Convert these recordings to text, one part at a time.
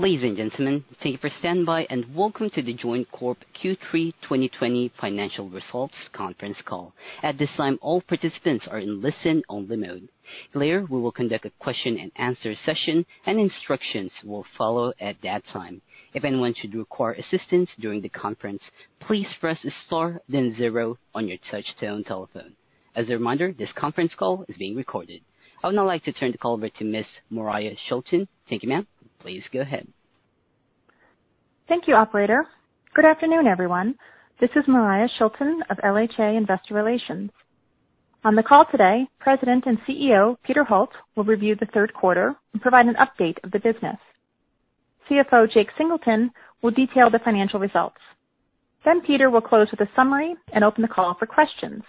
Ladies and gentlemen, thank you for standing by and welcome to The Joint Corp Q3 2020 financial results conference call. At this time, all participants are in listen-only mode. Later, we will conduct a question and answer session and instructions will follow at that time. As a reminder, this conference call is being recorded. I would now like to turn the call over to Miss Moriah Shilton. Thank you, ma'am. Please go ahead. Thank you, operator. Good afternoon, everyone. This is Moriah Shilton of LHA Investor Relations. On the call today, President and CEO, Peter Holt, will review the third quarter and provide an update of the business. CFO, Jake Singleton, will detail the financial results. Peter will close with a summary and open the call for questions.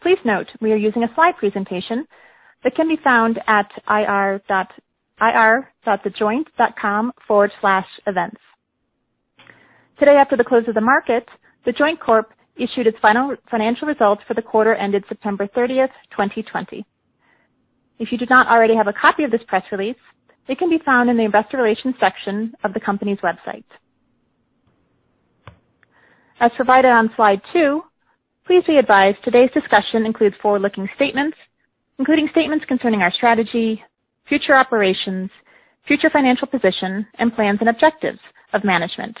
Please note we are using a slide presentation that can be found at ir.thejoint.com/events. Today after the close of the market, The Joint Corp issued its financial results for the quarter ended September 30, 2020. If you do not already have a copy of this press release, it can be found in the investor relations section of the company's website. As provided on slide two, please be advised today's discussion includes forward-looking statements, including statements concerning our strategy, future operations, future financial position, and plans and objectives of management.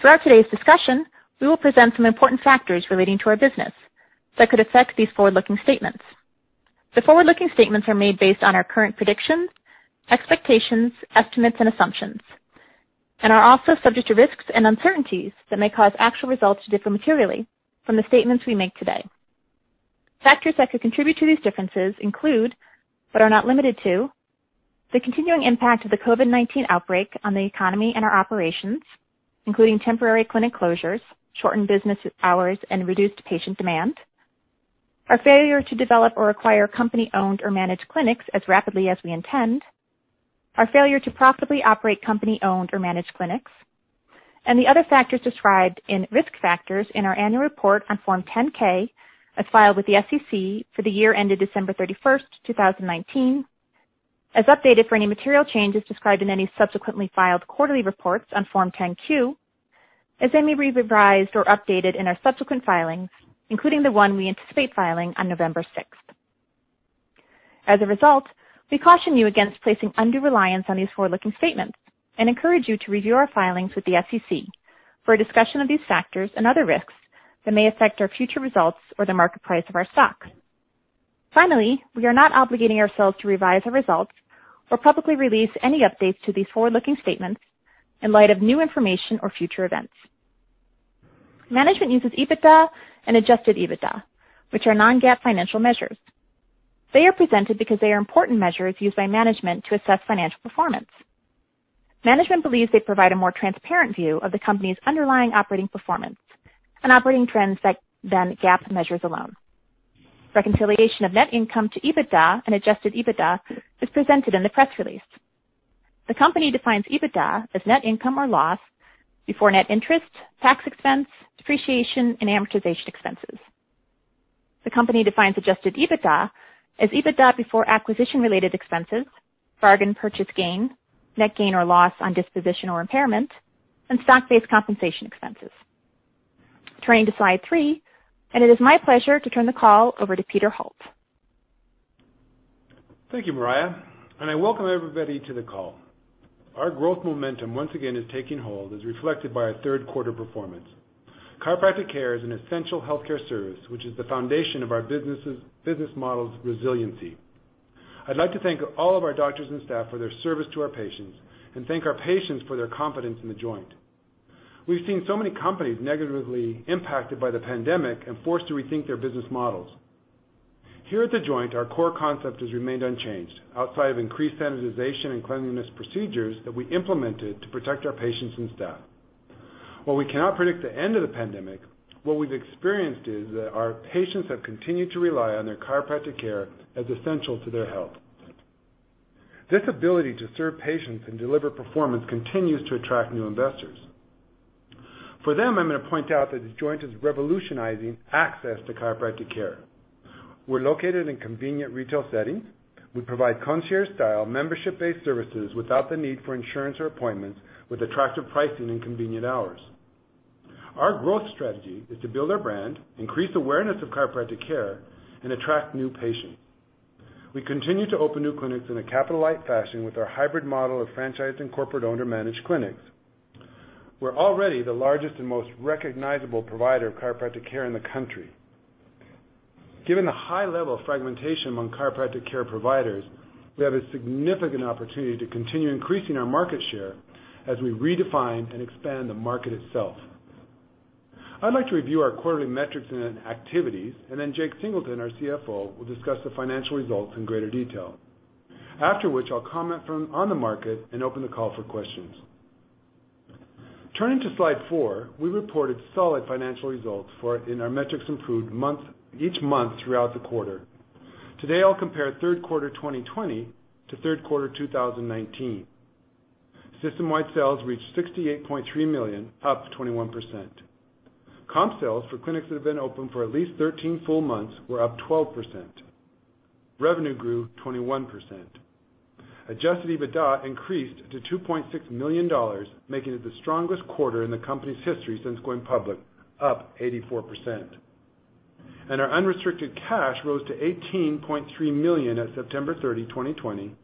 Throughout today's discussion, we will present some important factors relating to our business that could affect these forward-looking statements. The forward-looking statements are made based on our current predictions, expectations, estimates, and assumptions and are also subject to risks and uncertainties that may cause actual results to differ materially from the statements we make today. Factors that could contribute to these differences include, but are not limited to, the continuing impact of the COVID-19 outbreak on the economy and our operations, including temporary clinic closures, shortened business hours, and reduced patient demand, our failure to develop or acquire company-owned or managed clinics as rapidly as we intend, our failure to profitably operate company-owned or managed clinics, and the other factors described in risk factors in our annual report on Form 10-K, as filed with the SEC for the year ended December 31st, 2019, as updated for any material changes described in any subsequently filed quarterly reports on Form 10-Q, as any revised or updated in our subsequent filings, including the one we anticipate filing on November 6th. As a result, we caution you against placing undue reliance on these forward-looking statements and encourage you to review our filings with the SEC for a discussion of these factors and other risks that may affect our future results or the market price of our stock. We are not obligating ourselves to revise our results or publicly release any updates to these forward-looking statements in light of new information or future events. Management uses EBITDA and adjusted EBITDA, which are non-GAAP financial measures. They are presented because they are important measures used by management to assess financial performance. Management believes they provide a more transparent view of the company's underlying operating performance and operating trends than GAAP measures alone. Reconciliation of net income to EBITDA and adjusted EBITDA is presented in the press release. The company defines EBITDA as net income or loss before net interest, tax expense, depreciation, and amortization expenses. The company defines adjusted EBITDA as EBITDA before acquisition-related expenses, bargain purchase gain, net gain or loss on disposition or impairment, and stock-based compensation expenses. Turning to slide three, it is my pleasure to turn the call over to Peter Holt. Thank you, Moriah, and I welcome everybody to the call. Our growth momentum once again is taking hold, as reflected by our third quarter performance. Chiropractic care is an essential healthcare service, which is the foundation of our business model's resiliency. I'd like to thank all of our doctors and staff for their service to our patients and thank our patients for their confidence in The Joint. We've seen so many companies negatively impacted by the pandemic and forced to rethink their business models. Here at The Joint, our core concept has remained unchanged outside of increased sanitization and cleanliness procedures that we implemented to protect our patients and staff. While we cannot predict the end of the pandemic, what we've experienced is that our patients have continued to rely on their chiropractic care as essential to their health. This ability to serve patients and deliver performance continues to attract new investors. For them, I'm going to point out that The Joint is revolutionizing access to chiropractic care. We're located in convenient retail settings. We provide concierge-style, membership-based services without the need for insurance or appointments, with attractive pricing and convenient hours. Our growth strategy is to build our brand, increase awareness of chiropractic care, and attract new patients. We continue to open new clinics in a capital-light fashion with our hybrid model of franchised and corporate owner-managed clinics. We're already the largest and most recognizable provider of chiropractic care in the country. Given the high level of fragmentation among chiropractic care providers, we have a significant opportunity to continue increasing our market share as we redefine and expand the market itself. I'd like to review our quarterly metrics and activities, and then Jake Singleton, our CFO, will discuss the financial results in greater detail. After which, I'll comment on the market and open the call for questions. Turning to slide four, we reported solid financial results, and our metrics improved each month throughout the quarter. Today, I'll compare third quarter 2020 to third quarter 2019. System-wide sales reached $68.3 million, up 21%. Comp sales for clinics that have been open for at least 13 full months were up 12%. Revenue grew 21%. Adjusted EBITDA increased to $2.6 million, making it the strongest quarter in the company's history since going public, up 84%. Our unrestricted cash rose to $18.3 million on September 30, 2020,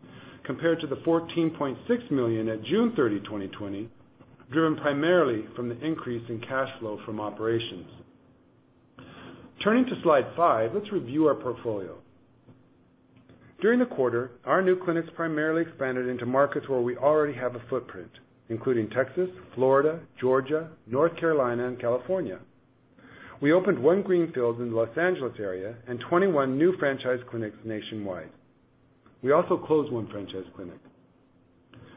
compared to the $14.6 million on June 30, 2020, driven primarily from the increase in cash flow from operations. Turning to slide five, let's review our portfolio. During the quarter, our new clinics primarily expanded into markets where we already have a footprint, including Texas, Florida, Georgia, North Carolina, and California. We opened one greenfield in the Los Angeles area and 21 new franchise clinics nationwide. We also closed one franchise clinic.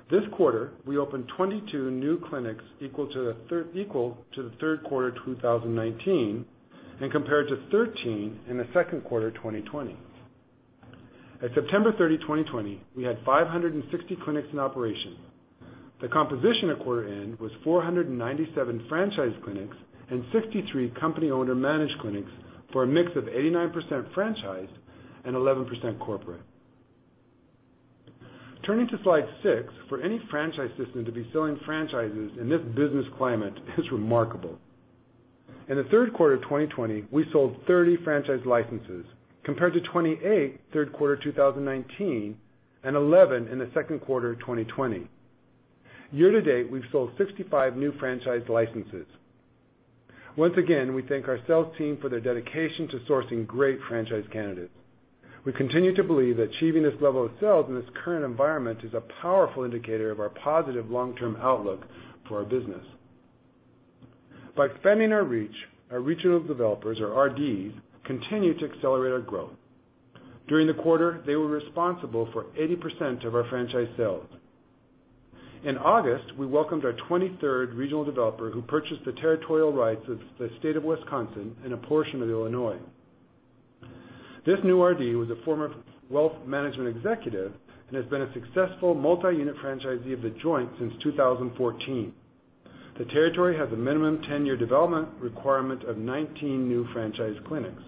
This quarter, we opened 22 new clinics equal to the third quarter 2019 and compared to 13 in the second quarter of 2020. At September 30, 2020, we had 560 clinics in operation. The composition at quarter end was 497 franchise clinics and 63 company-owned or managed clinics for a mix of 89% franchise and 11% corporate. Turning to slide six, for any franchise system to be selling franchises in this business climate is remarkable. In the third quarter of 2020, we sold 30 franchise licenses, compared to 28 third quarter 2019 and 11 in the second quarter of 2020. Year-to-date, we've sold 65 new franchise licenses. Once again, we thank our sales team for their dedication to sourcing great franchise candidates. We continue to believe that achieving this level of sales in this current environment is a powerful indicator of our positive long-term outlook for our business. By expanding our reach, our regional developers, or RDs, continue to accelerate our growth. During the quarter, they were responsible for 80% of our franchise sales. In August, we welcomed our 23rd regional developer who purchased the territorial rights of the state of Wisconsin and a portion of Illinois. This new RD was a former wealth management executive and has been a successful multi-unit franchisee of The Joint since 2014. The territory has a minimum 10-year development requirement of 19 new franchise clinics.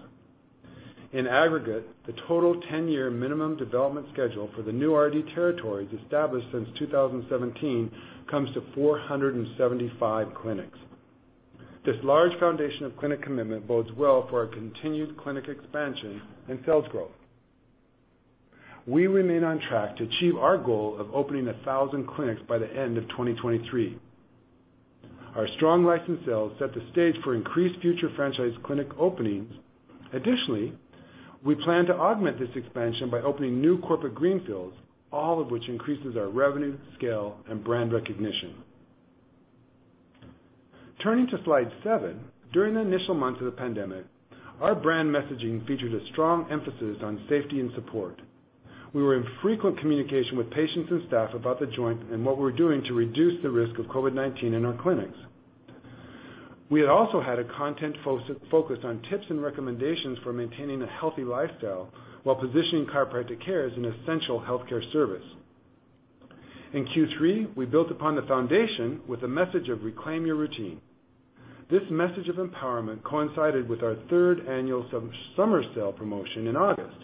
In aggregate, the total 10-year minimum development schedule for the new RD territories established since 2017 comes to 475 clinics. This large foundation of clinic commitment bodes well for our continued clinic expansion and sales growth. We remain on track to achieve our goal of opening 1,000 clinics by the end of 2023. Our strong licensed sales set the stage for increased future franchise clinic openings. Additionally, we plan to augment this expansion by opening new corporate greenfields, all of which increases our revenue, scale, and brand recognition. Turning to slide seven, during the initial months of the pandemic, our brand messaging featured a strong emphasis on safety and support. We were in frequent communication with patients and staff about The Joint and what we're doing to reduce the risk of COVID-19 in our clinics. We had also had a content focus on tips and recommendations for maintaining a healthy lifestyle while positioning chiropractic care as an essential healthcare service. In Q3, we built upon the foundation with a message of reclaim your routine. This message of empowerment coincided with our third annual summer sale promotion in August,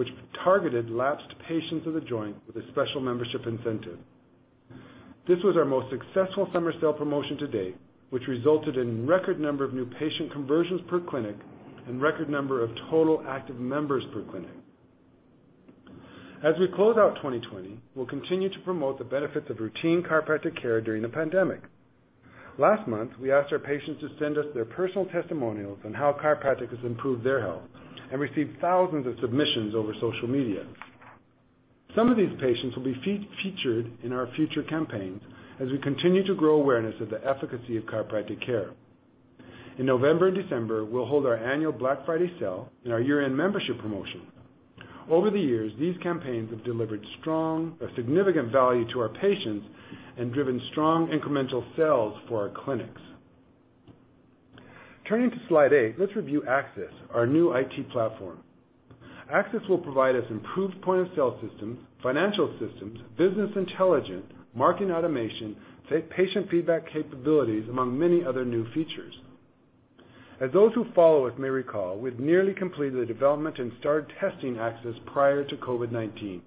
which targeted lapsed patients of The Joint with a special membership incentive. This was our most successful summer sale promotion to date, which resulted in record number of new patient conversions per clinic and record number of total active members per clinic. As we close out 2020, we'll continue to promote the benefits of routine chiropractic care during the pandemic. Last month, we asked our patients to send us their personal testimonials on how chiropractic has improved their health and received thousands of submissions over social media. Some of these patients will be featured in our future campaigns as we continue to grow awareness of the efficacy of chiropractic care. In November and December, we'll hold our annual Black Friday sale and our year-end membership promotion. Over the years, these campaigns have delivered a significant value to our patients and driven strong incremental sales for our clinics. Turning to slide eight, let's review Axis, our new IT platform. Axis will provide us improved point-of-sale systems, financial systems, business intelligence, marketing automation, patient feedback capabilities, among many other new features. As those who follow us may recall, we've nearly completed the development and started testing Axis prior to COVID-19.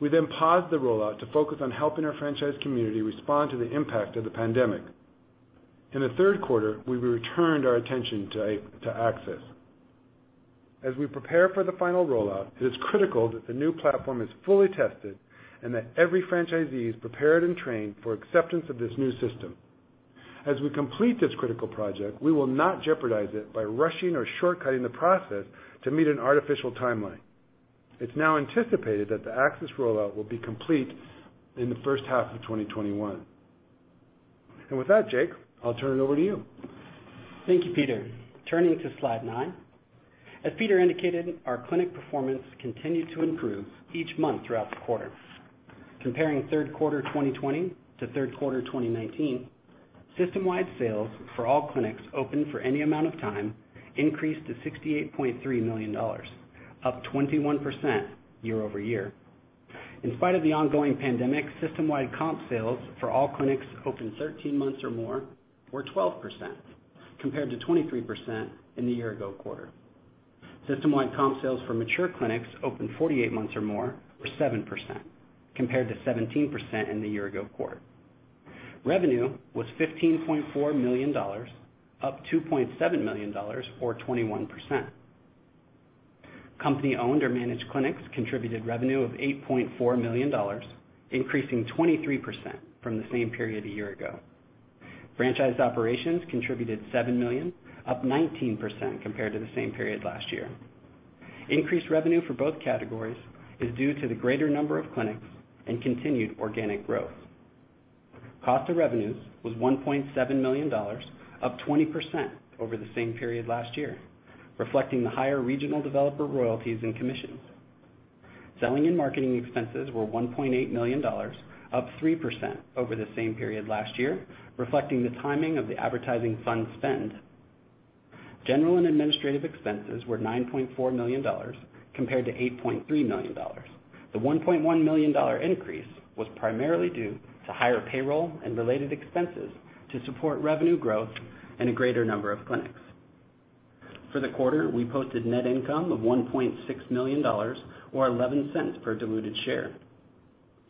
We paused the rollout to focus on helping our franchise community respond to the impact of the pandemic. In the third quarter, we returned our attention to Axis. As we prepare for the final rollout, it is critical that the new platform is fully tested and that every franchisee is prepared and trained for acceptance of this new system. As we complete this critical project, we will not jeopardize it by rushing or shortcutting the process to meet an artificial timeline. It's now anticipated that the Axis rollout will be complete in the first half of 2021. With that, Jake, I'll turn it over to you. Thank you, Peter. Turning to slide nine. As Peter indicated, our clinic performance continued to improve each month throughout the quarter. Comparing third quarter 2020 to third quarter 2019, System-wide sales for all clinics open for any amount of time increased to $68.3 million, up 21% year-over-year. In spite of the ongoing pandemic, System-wide comp sales for all clinics open 13 months or more were 12%, compared to 23% in the year ago quarter. System-wide comp sales for mature clinics open 48 months or more were 7%, compared to 17% in the year ago quarter. Revenue was $15.4 million, up $2.7 million, or 21%. Company-owned or managed clinics contributed revenue of $8.4 million, increasing 23% from the same period a year ago. Franchised operations contributed $7 million, up 19% compared to the same period last year. Increased revenue for both categories is due to the greater number of clinics and continued organic growth. Cost of revenues was $1.7 million, up 20% over the same period last year, reflecting the higher regional developer royalties and commissions. Selling and marketing expenses were $1.8 million, up 3% over the same period last year, reflecting the timing of the advertising fund spend. General and administrative expenses were $9.4 million compared to $8.3 million. The $1.1 million increase was primarily due to higher payroll and related expenses to support revenue growth and a greater number of clinics. For the quarter, we posted net income of $1.6 million, or $0.11 per diluted share,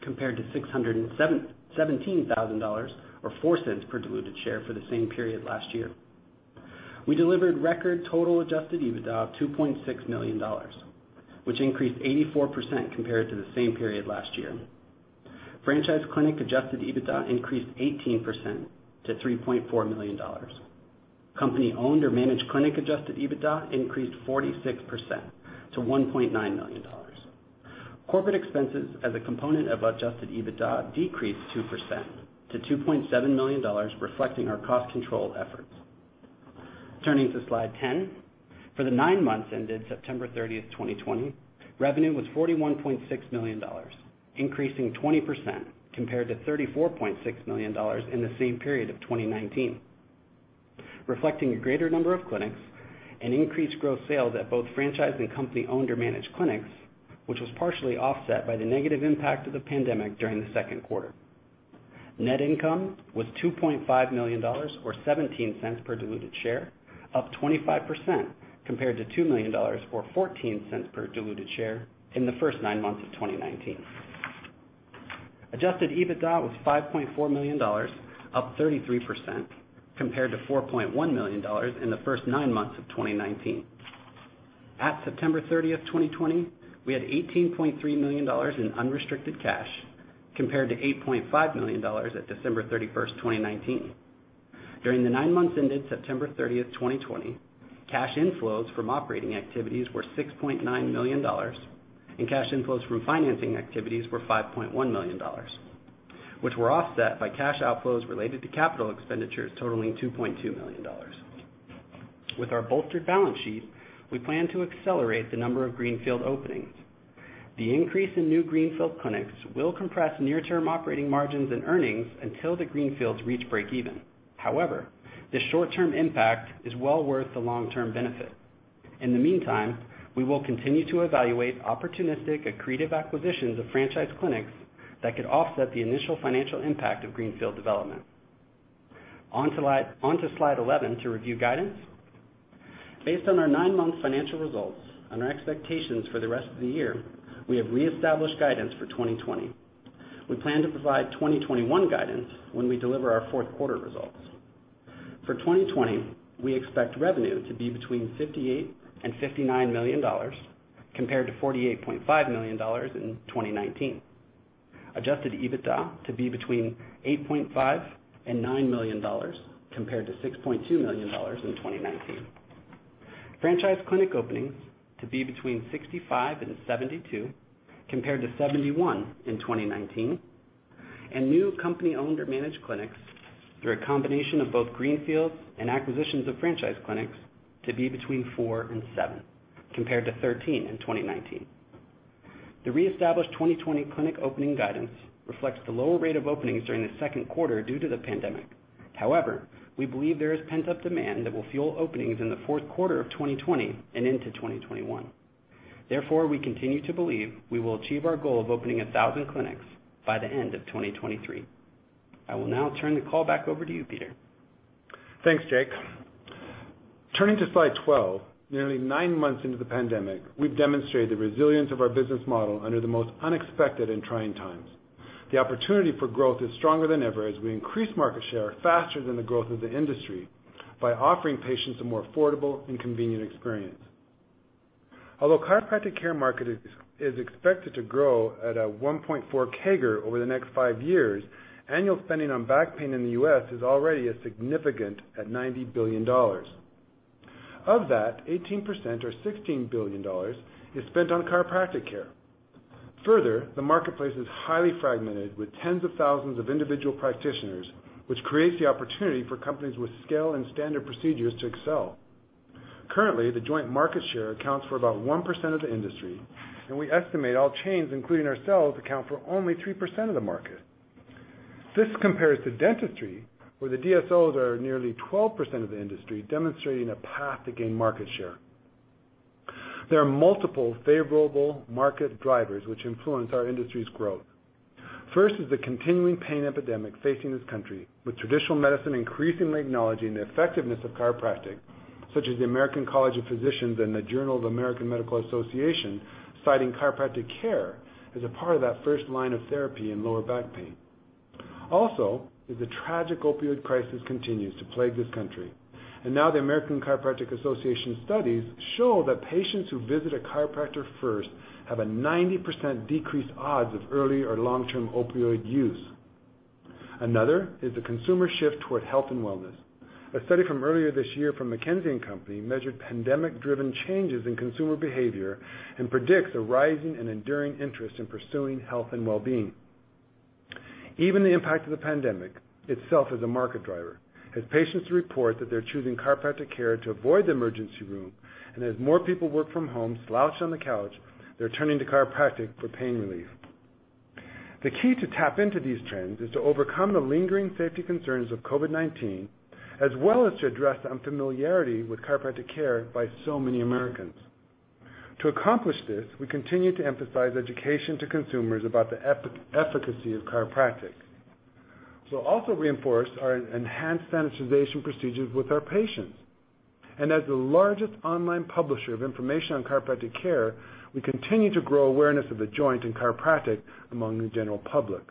compared to $617,000 or $0.04 per diluted share for the same period last year. We delivered record total adjusted EBITDA of $2.6 million, which increased 84% compared to the same period last year. Franchise clinic adjusted EBITDA increased 18% to $3.4 million. Company-owned or managed clinic adjusted EBITDA increased 46% to $1.9 million. Corporate expenses as a component of adjusted EBITDA decreased 2% to $2.7 million, reflecting our cost control efforts. Turning to slide 10. For the nine months ended September 30th, 2020, revenue was $41.6 million, increasing 20% compared to $34.6 million in the same period of 2019, reflecting a greater number of clinics and increased gross sales at both franchise and company-owned or managed clinics, which was partially offset by the negative impact of the pandemic during the second quarter. Net income was $2.5 million, or $0.17 per diluted share, up 25% compared to $2 million or $0.14 per diluted share in the first nine months of 2019. Adjusted EBITDA was $5.4 million, up 33%, compared to $4.1 million in the first nine months of 2019. At September 30th, 2020, we had $18.3 million in unrestricted cash, compared to $8.5 million at December 31st, 2019. During the nine months ended September 30th, 2020, cash inflows from operating activities were $6.9 million, and cash inflows from financing activities were $5.1 million, which were offset by cash outflows related to capital expenditures totaling $2.2 million. With our bolstered balance sheet, we plan to accelerate the number of greenfield openings. The increase in new greenfield clinics will compress near-term operating margins and earnings until the greenfields reach break even. However, the short-term impact is well worth the long-term benefit. In the meantime, we will continue to evaluate opportunistic, accretive acquisitions of franchise clinics that could offset the initial financial impact of greenfield development. On to slide 11 to review guidance. Based on our nine-month financial results and our expectations for the rest of the year, we have reestablished guidance for 2020. We plan to provide 2021 guidance when we deliver our fourth quarter results. For 2020, we expect revenue to be between $58 million and $59 million, compared to $48.5 million in 2019. Adjusted EBITDA to be between $8.5 million and $9 million, compared to $6.2 million in 2019. Franchise clinic openings to be between 65 and 72, compared to 71 in 2019. New company-owned or managed clinics, through a combination of both greenfields and acquisitions of franchise clinics to be between four and seven, compared to 13 in 2019. The reestablished 2020 clinic opening guidance reflects the lower rate of openings during the second quarter due to the pandemic. However, we believe there is pent-up demand that will fuel openings in the fourth quarter of 2020 and into 2021. Therefore, we continue to believe we will achieve our goal of opening 1,000 clinics by the end of 2023. I will now turn the call back over to you, Peter. Thanks, Jake. Turning to slide 12. Nearly nine months into the pandemic, we've demonstrated the resilience of our business model under the most unexpected and trying times. The opportunity for growth is stronger than ever as we increase market share faster than the growth of the industry by offering patients a more affordable and convenient experience. Although chiropractic care market is expected to grow at a 1.4% CAGR over the next five years, annual spending on back pain in the U.S. is already a significant at $90 billion. Of that, 18%, or $16 billion is spent on chiropractic care. Further, the marketplace is highly fragmented with tens of thousands of individual practitioners, which creates the opportunity for companies with scale and standard procedures to excel. Currently, The Joint market share accounts for about 1% of the industry, and we estimate all chains, including ourselves, account for only 3% of the market. This compares to dentistry, where the DSOs are nearly 12% of the industry, demonstrating a path to gain market share. There are multiple favorable market drivers which influence our industry's growth. First is the continuing pain epidemic facing this country, with traditional medicine increasingly acknowledging the effectiveness of chiropractic, such as the American College of Physicians and the Journal of the American Medical Association citing chiropractic care as a part of that first line of therapy in lower back pain. Also, as the tragic opioid crisis continues to plague this country, and now the American Chiropractic Association studies show that patients who visit a chiropractor first have a 90% decreased odds of early or long-term opioid use. Another is the consumer shift toward health and wellness. A study from earlier this year from McKinsey & Company measured pandemic-driven changes in consumer behavior and predicts a rising and enduring interest in pursuing health and wellbeing. Even the impact of the pandemic itself is a market driver, as patients report that they're choosing chiropractic care to avoid the emergency room, and as more people work from home slouched on the couch, they're turning to chiropractic for pain relief. The key to tap into these trends is to overcome the lingering safety concerns of COVID-19, as well as to address the unfamiliarity with chiropractic care by so many Americans. To accomplish this, we continue to emphasize education to consumers about the efficacy of chiropractic. Also reinforce our enhanced sanitization procedures with our patients. As the largest online publisher of information on chiropractic care, we continue to grow awareness of The Joint and chiropractic among the general public.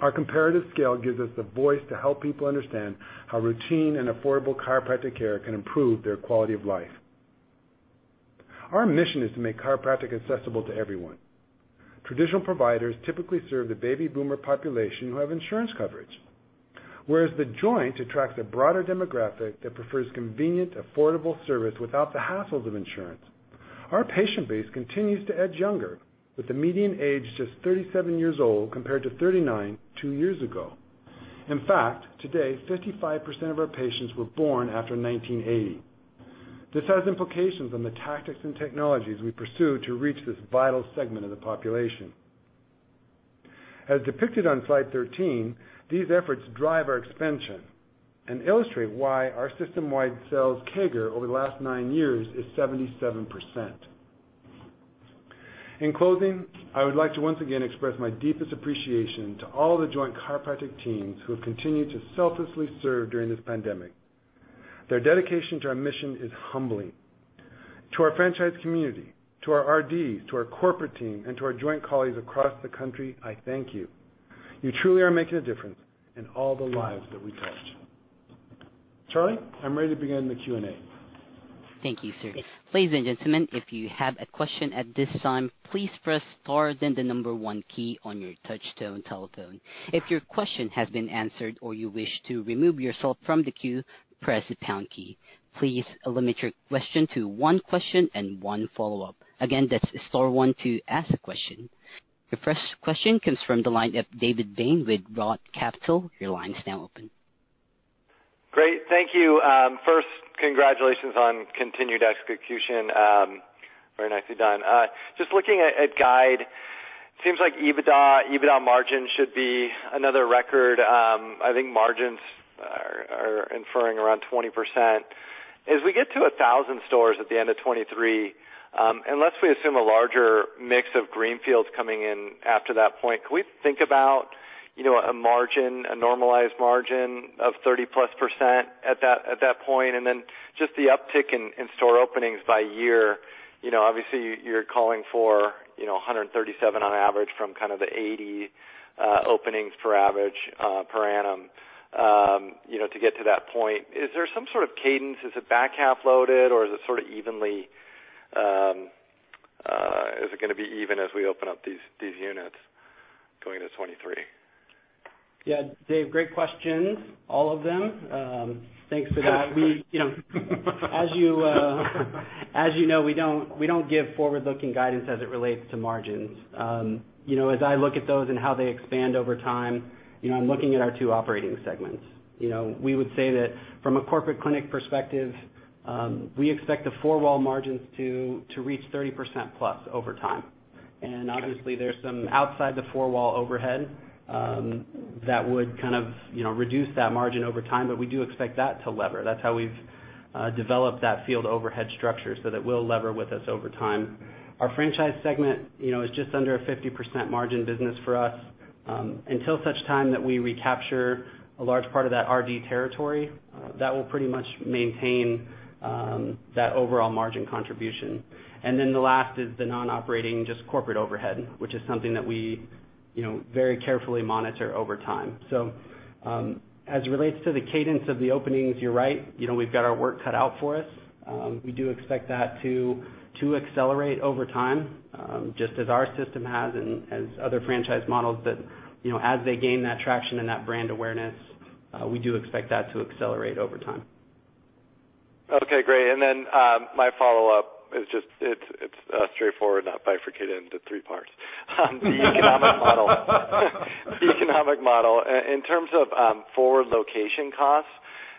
Our comparative scale gives us the voice to help people understand how routine and affordable chiropractic care can improve their quality of life. Our mission is to make chiropractic accessible to everyone. Traditional providers typically serve the baby boomer population who have insurance coverage, whereas The Joint attracts a broader demographic that prefers convenient, affordable service without the hassles of insurance. Our patient base continues to edge younger, with the median age just 37 years old compared to 39 two years ago. In fact, today, 55% of our patients were born after 1980. This has implications on the tactics and technologies we pursue to reach this vital segment of the population. As depicted on slide 13, these efforts drive our expansion and illustrate why our system-wide sales CAGR over the last nine years is 77%. In closing, I would like to once again express my deepest appreciation to all The Joint Chiropractic teams who have continued to selflessly serve during this pandemic. Their dedication to our mission is humbling. To our franchise community, to our RDs, to our corporate team, and to our Joint colleagues across the country, I thank you. You truly are making a difference in all the lives that we touch. Charlie, I'm ready to begin the Q&A. Thank you, sir. Your first question comes from the line of David Bain with Roth Capital. Your line is now open. Great. Thank you. First, congratulations on continued execution. Very nicely done. Just looking at guide, seems like EBITDA margin should be another record. I think margins are inferring around 20%. As we get to 1,000 stores at the end of 2023, unless we assume a larger mix of greenfields coming in after that point, can we think about a normalized margin of 30-plus% at that point? Just the uptick in store openings by year, obviously, you're calling for 137 on average from kind of the 80 openings for average per annum to get to that point. Is there some sort of cadence? Is it back half loaded, or is it going to be even as we open up these units going to 2023? Yeah, David, great questions, all of them. Thanks for that. As you know, we don't give forward-looking guidance as it relates to margins. As I look at those and how they expand over time, I'm looking at our two operating segments. We would say that from a corporate clinic perspective, we expect the four-wall margins to reach 30%-plus over time. Obviously, there's some outside the four-wall overhead that would kind of reduce that margin over time, we do expect that to lever. That's how we've developed that field overhead structure so that it will lever with us over time. Our franchise segment is just under a 60% margin business for us. Until such time that we recapture a large part of that RD territory, that will pretty much maintain that overall margin contribution. The last is the non-operating, just corporate overhead, which is something that we very carefully monitor over time. As it relates to the cadence of the openings, you're right. We've got our work cut out for us. We do expect that to accelerate over time, just as our system has and as other franchise models that as they gain that traction and that brand awareness, we do expect that to accelerate over time. Okay, great. My follow-up. It's straightforward, not bifurcated into three parts. The economic model, in terms of forward location costs,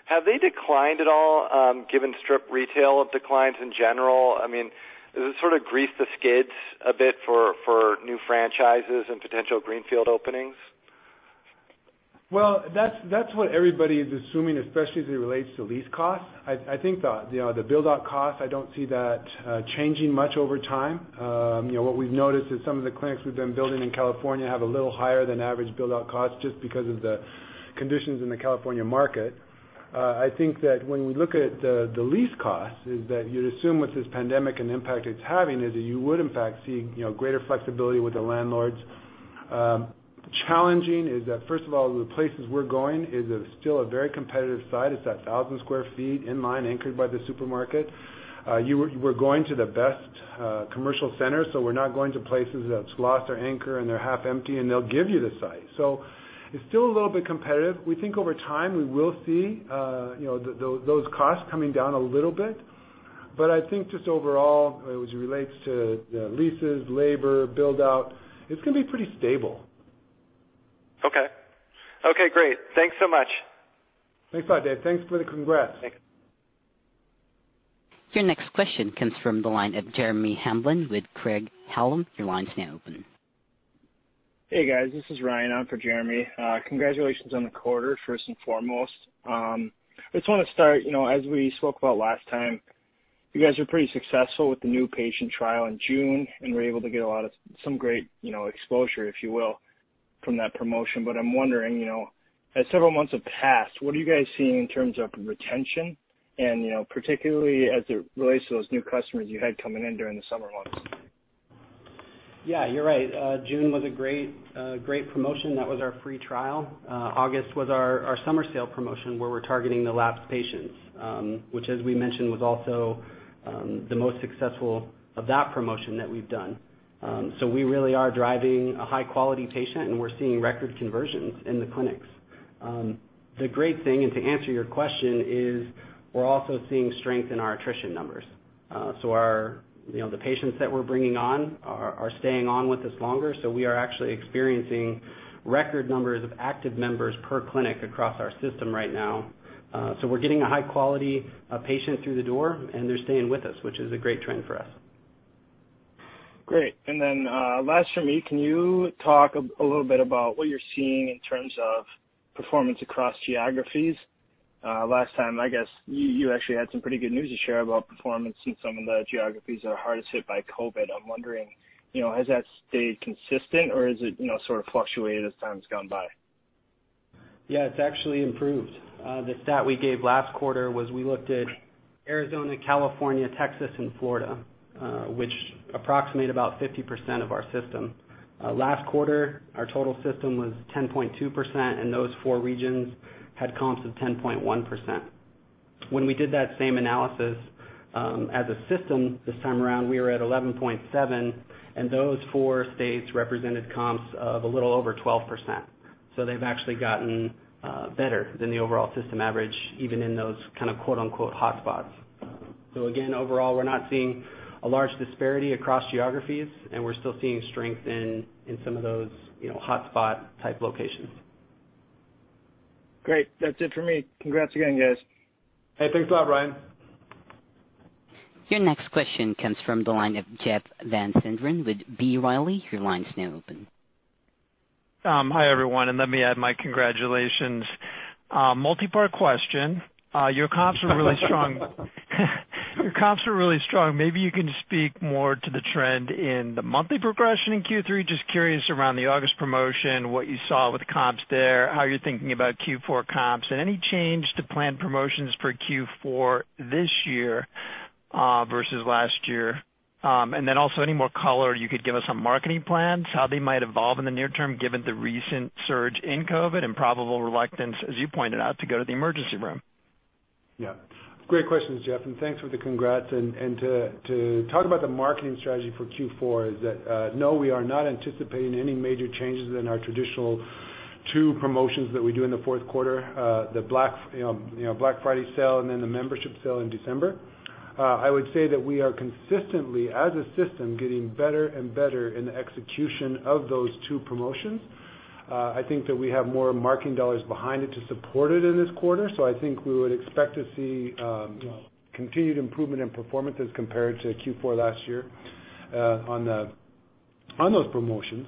have they declined at all given strip retail have declines in general? I mean, does it sort of grease the skids a bit for new franchises and potential greenfield openings? Well, that's what everybody's assuming, especially as it relates to lease costs. I think the build-out costs, I don't see that changing much over time. What we've noticed is some of the clinics we've been building in California have a little higher than average build-out costs just because of the conditions in the California market. I think that when you look at the lease costs, is that you'd assume with this pandemic and the impact it's having, is that you would, in fact, see greater flexibility with the landlords. Challenging is that, first of all, the places we're going is of still a very competitive site. It's that 1,000 square feet in-line anchored by the supermarket. We're going to the best commercial centers. We're not going to places that its lost their anchor and they're half empty and they'll give you the site. It's still a little bit competitive. We think over time, we will see those costs coming down a little bit. I think just overall, as it relates to leases, labor, build-out, it's going to be pretty stable. Okay. Okay, great. Thanks so much. Thanks a lot, David. Thanks for the congrats. Thanks. Your next question comes from the line of Jeremy Hamblin with Craig-Hallum. Your line is now open. Hey, guys. This is Ryan. I'm for Jeremy. Congratulations on the quarter, first and foremost. I just want to start, as we spoke about last time, you guys were pretty successful with the new patient trial in June, and were able to get some great exposure, if you will, from that promotion. I'm wondering, as several months have passed, what are you guys seeing in terms of retention and particularly as it relates to those new customers you had coming in during the summer months? Yeah, you're right. June was a great promotion. That was our free trial. August was our summer sale promotion, where we're targeting the lapsed patients, which as we mentioned, was also the most successful of that promotion that we've done. We really are driving a high-quality patient, and we're seeing record conversions in the clinics. The great thing, and to answer your question, is we're also seeing strength in our attrition numbers. The patients that we're bringing on are staying on with us longer. We are actually experiencing record numbers of active members per clinic across our system right now. We're getting a high-quality patient through the door and they're staying with us, which is a great trend for us. Great. Last for me, can you talk a little bit about what you're seeing in terms of performance across geographies? Last time, I guess, you actually had some pretty good news to share about performance in some of the geographies that are hardest hit by COVID. I'm wondering, has that stayed consistent or has it sort of fluctuated as time's gone by? It's actually improved. The stat we gave last quarter was we looked at Arizona, California, Texas, and Florida, which approximate about 50% of our system. Last quarter, our total system was 10.2%, and those four regions had comps of 10.1%. When we did that same analysis as a system this time around, we were at 11.7%, and those four states represented comps of a little over 12%. They've actually gotten better than the overall system average, even in those kind of quote, unquote, "hotspots." Again, overall, we're not seeing a large disparity across geographies, and we're still seeing strength in some of those hotspot-type locations. Great. That's it for me. Congrats again, guys. Hey, thanks a lot, Ryan. Your next question comes from the line of Jeff Van Sinderen with B. Riley. Your line is now open. Hi, everyone, let me add my congratulations. Multi-part question. Your comps are really strong. Maybe you can speak more to the trend in the monthly progression in Q3. Just curious around the August promotion, what you saw with comps there, how you're thinking about Q4 comps, and any change to planned promotions for Q4 this year versus last year. Also, any more color you could give us on marketing plans, how they might evolve in the near term given the recent surge in COVID and probable reluctance, as you pointed out, to go to the emergency room. Yeah. Great questions, Jeff, thanks for the congrats. To talk about the marketing strategy for Q4 is that, no, we are not anticipating any major changes in our traditional two promotions that we do in the fourth quarter. The Black Friday sale and then the membership sale in December. I would say that we are consistently, as a system, getting better and better in the execution of those two promotions. I think that we have more marketing dollars behind it to support it in this quarter. I think we would expect to see continued improvement in performance as compared to Q4 last year on those promotions.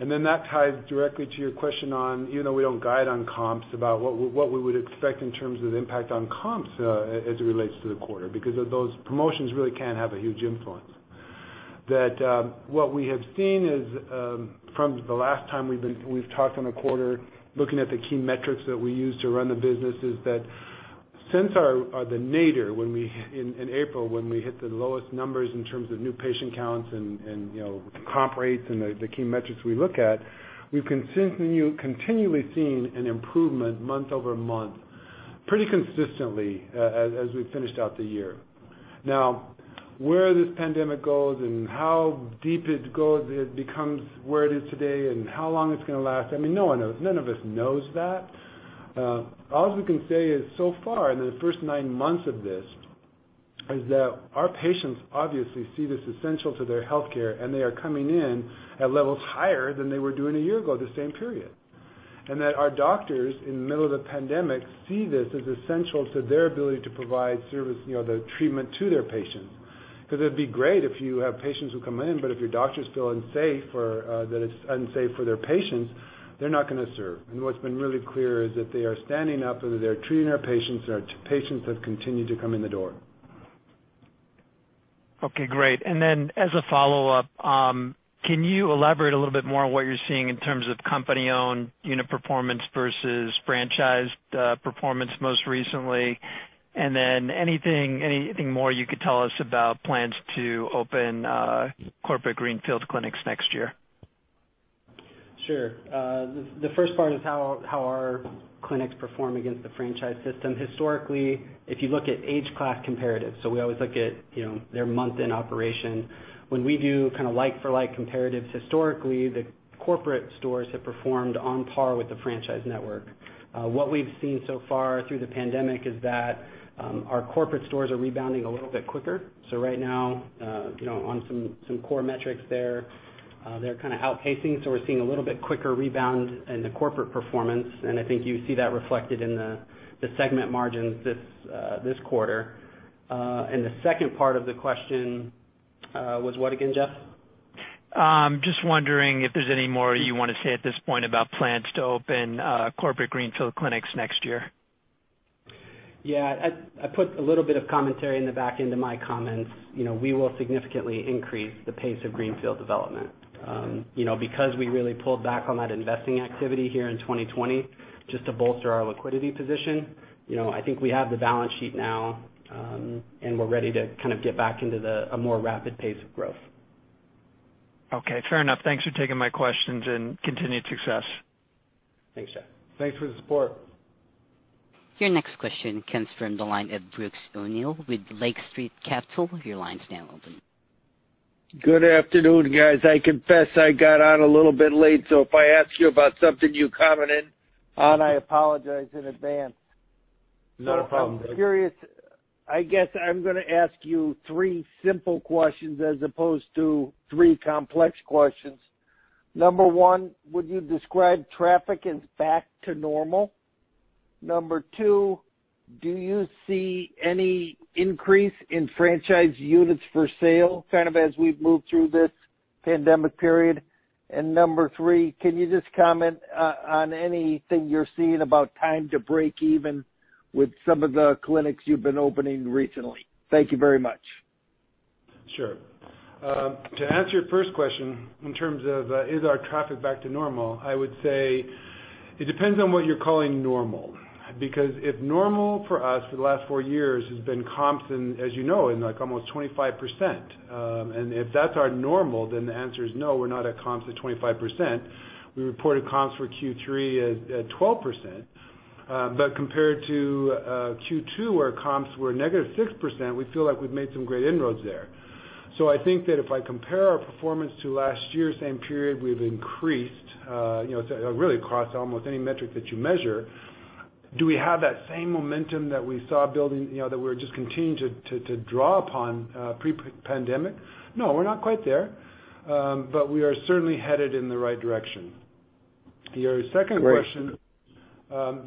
That ties directly to your question on, even though we don't guide on comps, about what we would expect in terms of impact on comps, as it relates to the quarter. Those promotions really can have a huge influence. What we have seen is, from the last time we've talked on a quarter, looking at the key metrics that we use to run the business, is that since the nadir in April when we hit the lowest numbers in terms of new patient counts and comp rates and the key metrics we look at, we've continually seen an improvement month-over-month, pretty consistently, as we've finished out the year. Now, where this pandemic goes and how deep it goes, it becomes where it is today and how long it's going to last, I mean, none of us knows that. All we can say is so far in the first nine months of this, is that our patients obviously see this essential to their healthcare, and they are coming in at levels higher than they were doing a year ago this same period. That our doctors, in the middle of the pandemic, see this as essential to their ability to provide service, the treatment to their patients. Because it'd be great if you have patients who come in, but if your doctors feel unsafe or that it's unsafe for their patients, they're not going to serve. What's been really clear is that they are standing up, and they're treating our patients, and our patients have continued to come in the door. Okay, great. As a follow-up, can you elaborate a little bit more on what you're seeing in terms of company-owned unit performance versus franchised performance most recently? Anything more you could tell us about plans to open corporate greenfield clinics next year? Sure. The first part is how our clinics perform against the franchise system. Historically, if you look at age class comparatives, so we always look at their month in operation. When we do like for like comparatives historically, the corporate stores have performed on par with the franchise network. What we've seen so far through the pandemic is that our corporate stores are rebounding a little bit quicker. Right now, on some core metrics there, they're outpacing. We're seeing a little bit quicker rebound in the corporate performance, and I think you see that reflected in the segment margins this quarter. The second part of the question was what again, Jeff? Just wondering if there's any more you want to say at this point about plans to open corporate greenfield clinics next year? Yeah. I put a little bit of commentary in the back end of my comments. We will significantly increase the pace of greenfield development. Because we really pulled back on that investing activity here in 2020 just to bolster our liquidity position, I think we have the balance sheet now, and we're ready to get back into a more rapid pace of growth. Okay. Fair enough. Thanks for taking my questions, and continued success. Thanks, Jeff. Thanks for the support. Your next question comes from the line of Brooks O'Neil with Lake Street Capital. Your line's now open. Good afternoon, guys. I confess I got on a little bit late, so if I ask you about something you commented on, I apologize in advance. Not a problem. I'm curious. I guess I'm going to ask you three simple questions as opposed to three complex questions. Number 1, would you describe traffic as back to normal? Number 2, do you see any increase in franchise units for sale as we've moved through this pandemic period? Number 3, can you just comment on anything you're seeing about time to break even with some of the clinics you've been opening recently? Thank you very much. Sure. To answer your first question in terms of is our traffic back to normal, I would say it depends on what you're calling normal. If normal for us for the last 4 years has been comps and as you know, in like almost 25%, and if that's our normal, then the answer is no, we're not at comps of 25%. We reported comps for Q3 at 12%. Compared to Q2, where comps were negative 6%, we feel like we've made some great inroads there. I think that if I compare our performance to last year, same period, we've increased, really across almost any metric that you measure. Do we have that same momentum that we saw building, that we're just continuing to draw upon pre-pandemic? No, we're not quite there. We are certainly headed in the right direction. Your second question- Great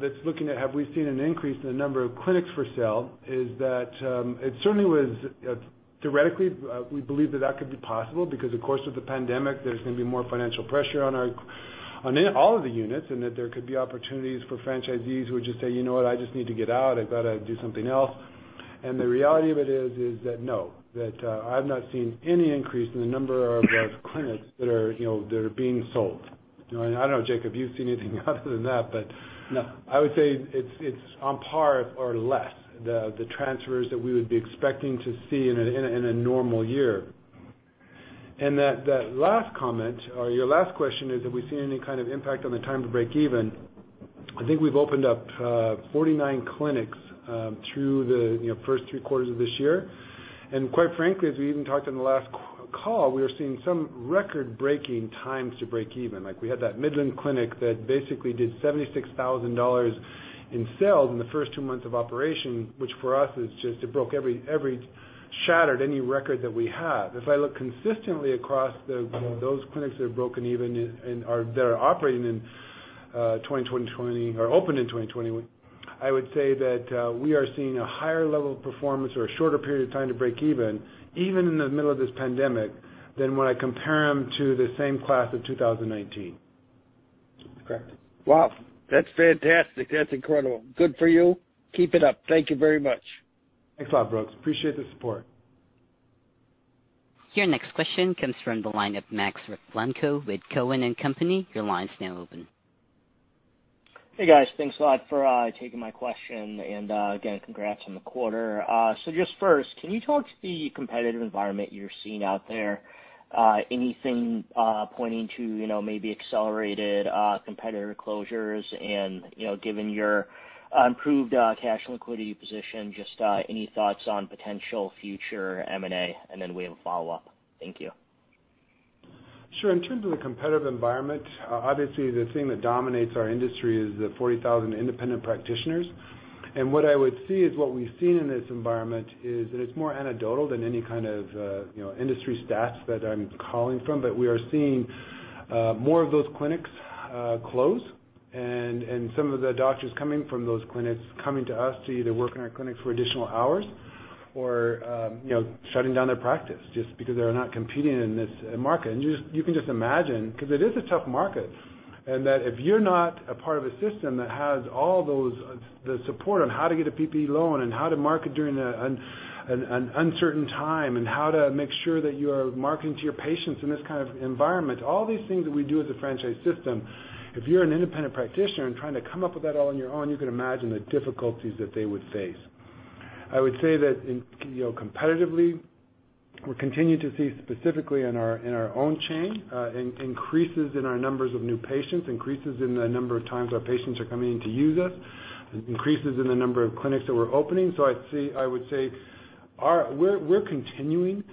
that's looking at have we seen an increase in the number of clinics for sale is that? It certainly was theoretically, we believe that that could be possible because of course with the pandemic, there's going to be more financial pressure on all of the units, and that there could be opportunities for franchisees who would just say, "You know what? I just need to get out. I've got to do something else." The reality of it is that no. That I've not seen any increase in the number of clinics that are being sold. I don't know, Jake, if you've seen anything other than that. No I would say it's on par or less the transfers that we would be expecting to see in a normal year. That last comment or your last question is, have we seen any kind of impact on the time to break even? I think we've opened up 49 clinics through the first three quarters of this year. Quite frankly, as we even talked on the last call, we are seeing some record-breaking times to break even. Like we had that Midland clinic that basically did $76,000 in sales in the first two months of operation, which for us is just, it shattered any record that we had. If I look consistently across those clinics that are broken even and that are operating in or opened in 2020, I would say that we are seeing a higher level of performance or a shorter period of time to break even in the middle of this pandemic, than when I compare them to the same class of 2019. Correct. Wow. That's fantastic. That's incredible. Good for you. Keep it up. Thank you very much. Thanks a lot, Brooks. Appreciate the support. Your next question comes from the line of Max Rakhlenko with Cowen and Company. Your line's now open. Hey, guys. Thanks a lot for taking my question. Again, congrats on the quarter. Just first, can you talk to the competitive environment you're seeing out there? Anything pointing to maybe accelerated competitor closures and given your improved cash liquidity position, just any thoughts on potential future M&A? We have a follow-up. Thank you. Sure. In terms of the competitive environment, obviously the thing that dominates our industry is the 40,000 independent practitioners. What I would see is what we've seen in this environment is that it's more anecdotal than any kind of industry stats that I'm calling from. We are seeing more of those clinics close and some of the doctors coming from those clinics coming to us to either work in our clinics for additional hours or shutting down their practice just because they're not competing in this market. You can just imagine, because it is a tough market, and that if you're not a part of a system that has all those, the support on how to get a PPP loan and how to market during an uncertain time and how to make sure that you are marketing to your patients in this kind of environment, all these things that we do as a franchise system, if you're an independent practitioner and trying to come up with that all on your own, you can imagine the difficulties that they would face. I would say that competitively, we continue to see specifically in our own chain, increases in our numbers of new patients, increases in the number of times our patients are coming in to use us, increases in the number of clinics that we're opening. I would say we're continuing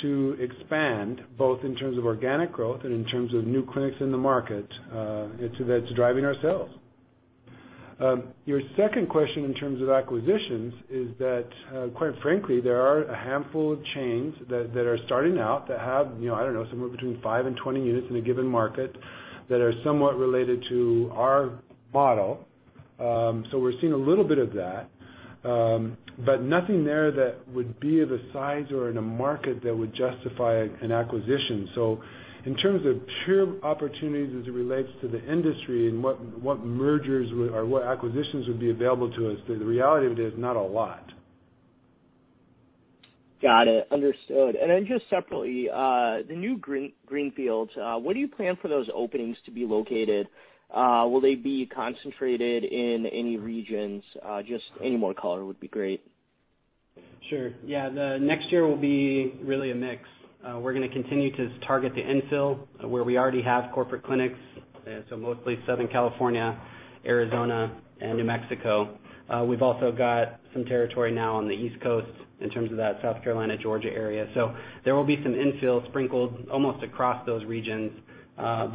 to expand both in terms of organic growth and in terms of new clinics in the market that's driving our sales. Your second question in terms of acquisitions is that, quite frankly, there are a handful of chains that are starting out that have, I don't know, somewhere between five and 20 units in a given market that are somewhat related to our model. We're seeing a little bit of that. Nothing there that would be of a size or in a market that would justify an acquisition. In terms of pure opportunities as it relates to the industry and what mergers or what acquisitions would be available to us, the reality of it is not a lot. Got it. Understood. Just separately, the new greenfields, where do you plan for those openings to be located? Will they be concentrated in any regions? Just any more color would be great. Sure. Yeah. The next year will be really a mix. We're going to continue to target the infill, where we already have corporate clinics, so mostly Southern California, Arizona, and New Mexico. We've also got some territory now on the East Coast in terms of that South Carolina, Georgia area. There will be some infill sprinkled almost across those regions.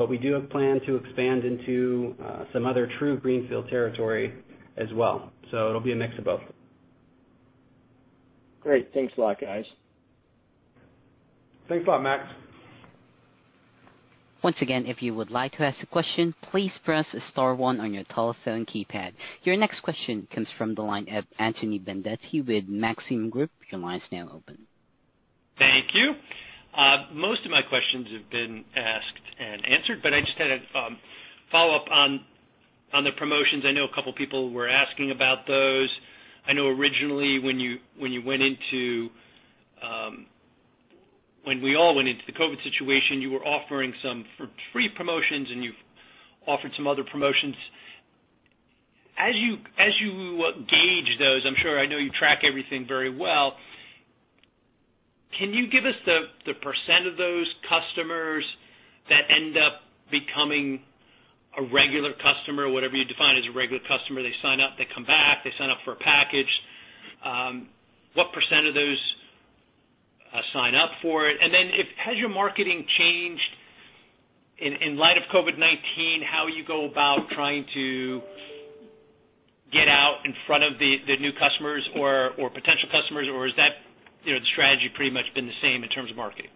We do have plan to expand into some other true greenfield territory as well. It'll be a mix of both. Great. Thanks a lot, guys. Thanks a lot, Max. Once again, if you would like to ask a question, please press star one on your telephone keypad. Your next question comes from the line of Anthony Vendetti with Maxim Group. Your line is now open. Thank you. Most of my questions have been asked and answered. I just had a follow-up on the promotions. I know a couple of people were asking about those. I know originally when we all went into the COVID situation, you were offering some free promotions, and you've offered some other promotions. As you gauge those, I'm sure I know you track everything very well, can you give us the % of those customers that end up becoming a regular customer, whatever you define as a regular customer? They sign up, they come back, they sign up for a package. What % of those sign up for it? Has your marketing changed in light of COVID-19, how you go about trying to get out in front of the new customers or potential customers, or has that strategy pretty much been the same in terms of marketing?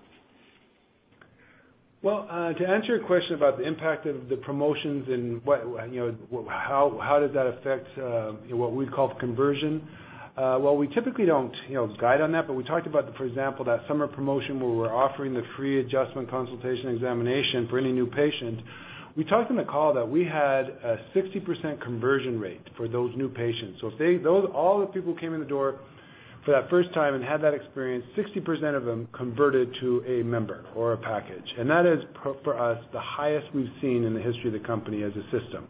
To answer your question about the impact of the promotions and how does that affect what we call the conversion, while we typically don't guide on that, but we talked about, for example, that summer promotion where we're offering the free adjustment consultation examination for any new patient. We talked on the call that we had a 60% conversion rate for those new patients. All the people who came in the door for that first time and had that experience, 60% of them converted to a member or a package. That is, for us, the highest we've seen in the history of the company as a system.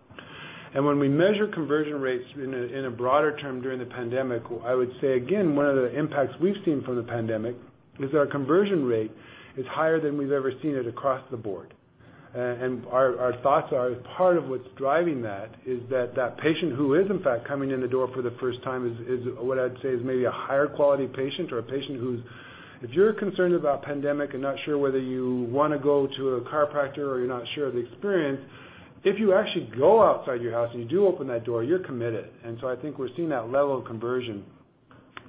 When we measure conversion rates in a broader term during the pandemic, I would say, again, one of the impacts we've seen from the pandemic is our conversion rate is higher than we've ever seen it across the board. Our thoughts are part of what's driving that is that that patient who is in fact coming in the door for the first time is what I'd say is maybe a higher quality patient or a patient who's, if you're concerned about pandemic and not sure whether you want to go to a chiropractor or you're not sure of the experience, if you actually go outside your house and you do open that door, you're committed. I think we're seeing that level of conversion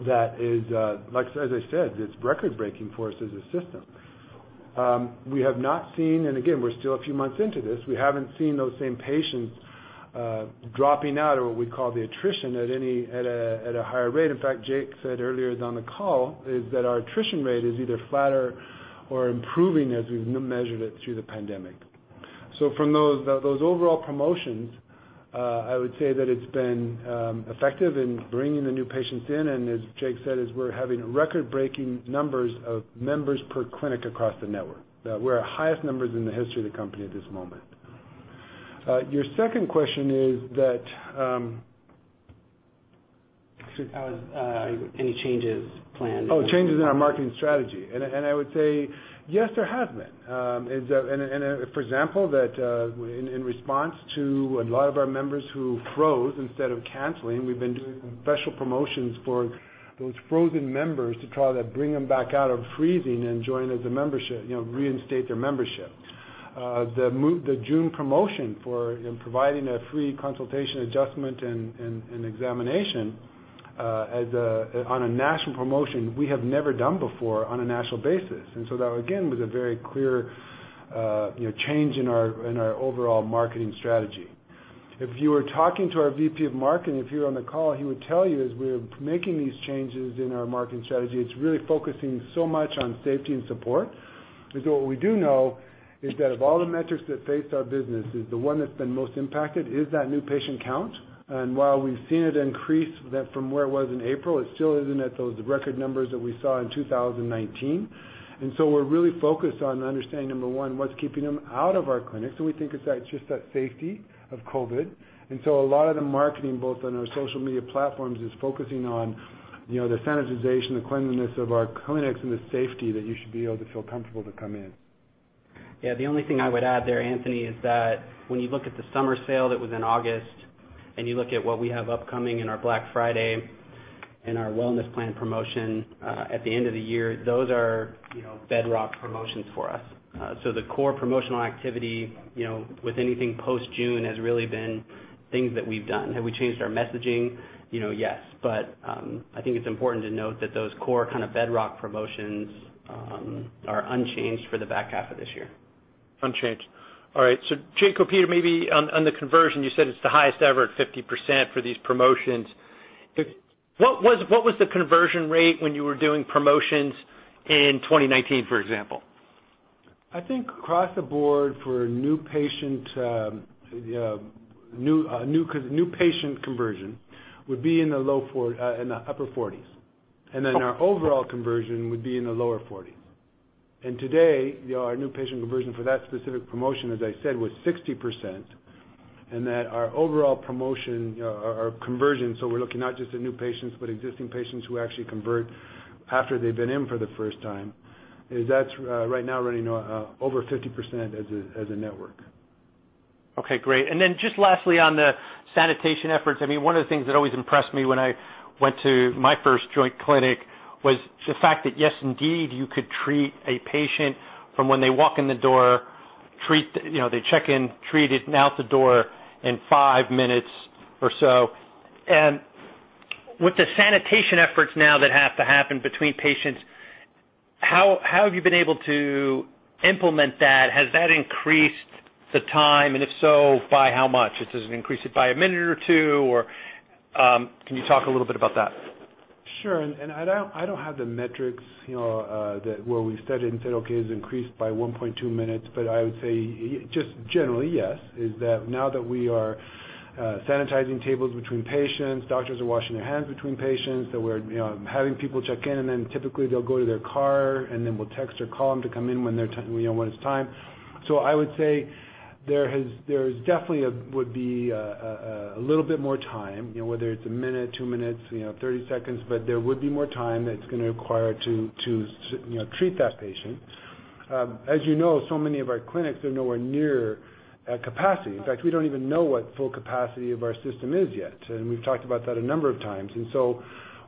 that is, as I said, it's record-breaking for us as a system. We have not seen, and again, we're still a few months into this, we haven't seen those same patients dropping out or what we call the attrition at a higher rate. In fact, Jake said earlier on the call is that our attrition rate is either flatter or improving as we've measured it through the pandemic. From those overall promotions, I would say that it's been effective in bringing the new patients in, and as Jake said, is we're having record-breaking numbers of members per clinic across the network. We're at highest numbers in the history of the company at this moment. Your second question is that- Any changes planned? Changes in our marketing strategy. I would say, yes, there have been. For example, that in response to a lot of our members who froze instead of canceling, we've been doing special promotions for those frozen members to try to bring them back out of freezing and join as a membership, reinstate their membership. The June promotion for providing a free consultation, adjustment, and examination on a national promotion, we have never done before on a national basis. That, again, was a very clear change in our overall marketing strategy. If you were talking to our VP of Marketing, if you were on the call, he would tell you, as we're making these changes in our marketing strategy, it's really focusing so much on safety and support. What we do know is that of all the metrics that face our business, is the one that's been most impacted is that new patient count. While we've seen it increase from where it was in April, it still isn't at those record numbers that we saw in 2019. We're really focused on understanding, number one, what's keeping them out of our clinics, and we think it's just that safety of COVID. A lot of the marketing, both on our social media platforms, is focusing on the sanitization, the cleanliness of our clinics, and the safety that you should be able to feel comfortable to come in. The only thing I would add there, Anthony, is that when you look at the summer sale that was in August, and you look at what we have upcoming in our Black Friday and our wellness plan promotion at the end of the year, those are bedrock promotions for us. The core promotional activity with anything post-June has really been things that we've done. Have we changed our messaging? Yes. I think it's important to note that those core kind of bedrock promotions are unchanged for the back half of this year. Unchanged. All right. Jake, Peter, maybe on the conversion, you said it's the highest ever at 60% for these promotions. What was the conversion rate when you were doing promotions in 2019, for example? I think across the board for new patient conversion would be in the upper 40s, and then our overall conversion would be in the lower 40s. Today, our new patient conversion for that specific promotion, as I said, was 60%, and that our overall promotion, our conversions, so we're looking not just at new patients, but existing patients who actually convert after they've been in for the first time, that's right now running over 60% as a network. Okay, great. Just lastly on the sanitation efforts, one of the things that always impressed me when I went to my first Joint clinic was the fact that, yes indeed, you could treat a patient from when they walk in the door, they check in, treated, and out the door in five minutes or so. With the sanitation efforts now that have to happen between patients, how have you been able to implement that? Has that increased the time, and if so, by how much? Does it increase it by a minute or two, or can you talk a little bit about that? Sure. I don't have the metrics where we've studied and said, "Okay, it's increased by 1.2 minutes," but I would say just generally, yes, is that now that we are sanitizing tables between patients, doctors are washing their hands between patients, that we're having people check in, and then typically they'll go to their car, and then we'll text or call them to come in when it's time. I would say there definitely would be a little bit more time, whether it's one minute, two minutes, 30 seconds, but there would be more time that's going to require to treat that patient. As you know, so many of our clinics are nowhere near at capacity. In fact, we don't even know what full capacity of our system is yet, and we've talked about that a number of times.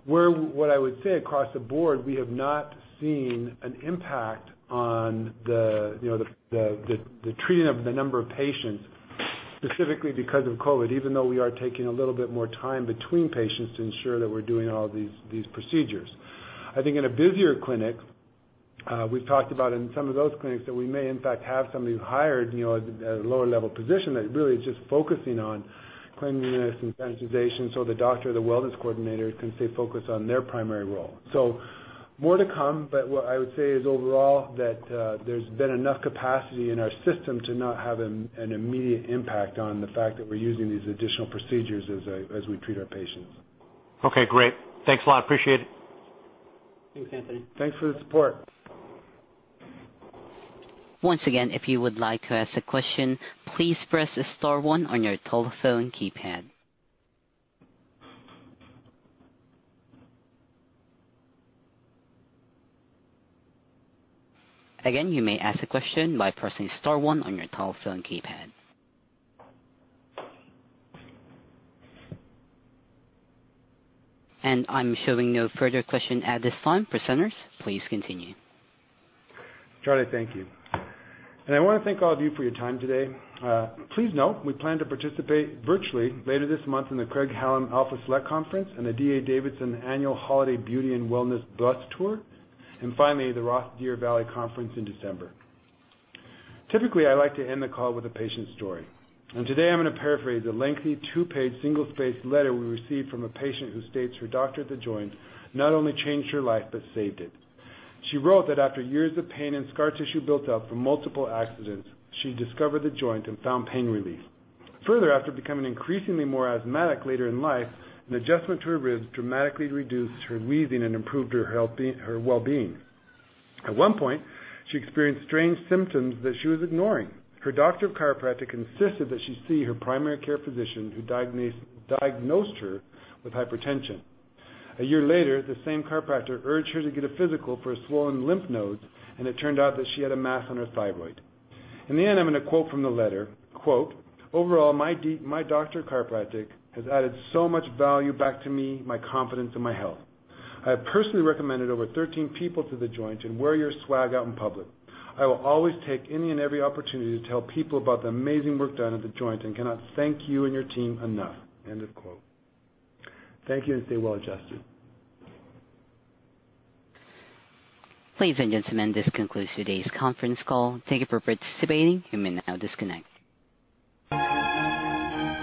What I would say across the board, we have not seen an impact on the treating of the number of patients specifically because of COVID, even though we are taking a little bit more time between patients to ensure that we're doing all these procedures. I think in a busier clinic, we've talked about in some of those clinics that we may in fact have somebody hired at a lower-level position that really is just focusing on cleanliness and sanitization so the doctor, the wellness coordinator can stay focused on their primary role. More to come, but what I would say is overall that there's been enough capacity in our system to not have an immediate impact on the fact that we're using these additional procedures as we treat our patients. Okay, great. Thanks a lot. Appreciate it. Thanks, Anthony. Thanks for the support. Once again, if you would like to ask a question, please press star one on your telephone keypad. Again, you may ask a question by pressing star one on your telephone keypad. I'm showing no further question at this time. Presenters, please continue. Charlie, thank you. I want to thank all of you for your time today. Please note we plan to participate virtually later this month in the Craig-Hallum Alpha Select Conference and the D.A. Davidson Annual Holiday Beauty and Wellness Bus Tour. Finally, the Roth Deer Valley Conference in December. Typically, I like to end the call with a patient story. Today I'm going to paraphrase a lengthy two-page single-spaced letter we received from a patient who states her doctor at The Joint not only changed her life but saved it. She wrote that after years of pain and scar tissue built up from multiple accidents, she discovered The Joint and found pain relief. Further, after becoming increasingly more asthmatic later in life, an adjustment to her ribs dramatically reduced her wheezing and improved her well-being. At one point, she experienced strange symptoms that she was ignoring. Her doctor of chiropractic insisted that she see her primary care physician, who diagnosed her with hypertension. A year later, the same chiropractor urged her to get a physical for a swollen lymph node, and it turned out that she had a mass on her thyroid. In the end, I'm going to quote from the letter, quote, "Overall, my doctor of chiropractic has added so much value back to me, my confidence, and my health. I have personally recommended over 13 people to The Joint and wear your swag out in public. I will always take any and every opportunity to tell people about the amazing work done at The Joint and cannot thank you and your team enough." End of quote. Thank you. Stay well-adjusted. Ladies and gentlemen, this concludes today's conference call. Thank you for participating. You may now disconnect.